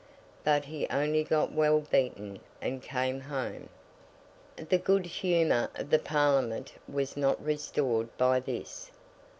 But he only got well beaten, and came home. The good humour of the Parliament was not restored by this.